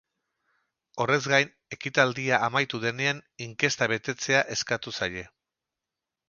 Horrez gain, ekitaldia amaitu denean inkesta betetzea eskatu zaie.